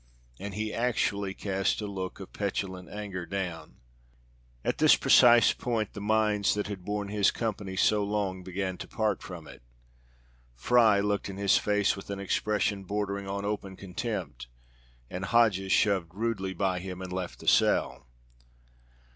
And he actually cast a look of petulant anger down. At this precise point the minds that had borne his company so long began to part from it. Fry looked in his face with an expression bordering on open contempt, and Hodges shoved rudely by him and left the cell.